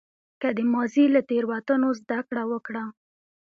که د ماضي له تېروتنو زده کړه وکړه.